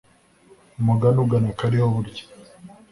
umugani ugana akariho burya